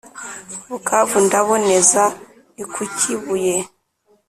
bukavu ndaboneza ni kukibuye